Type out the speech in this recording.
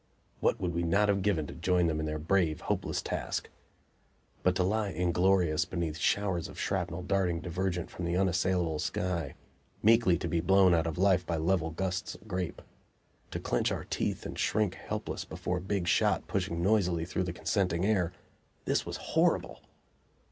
What would we not have given to join them in their brave, hopeless task! But to lie inglorious beneath showers of shrapnel darting divergent from the unassailable sky meekly to be blown out of life by level gusts of grape to clench our teeth and shrink helpless before big shot pushing noisily through the consenting air this was horrible!